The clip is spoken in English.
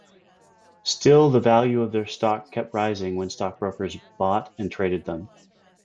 Still the value of their stock kept rising when stockbrokers bought and traded them.